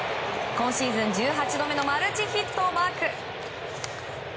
今シーズン１８度目のマルチヒットをマーク。